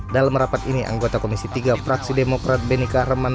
dalam rapat ini anggota komisi tiga fraksi demokrat benika herman